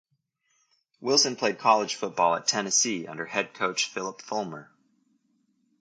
Wilson played college football at Tennessee under head coach Phillip Fulmer.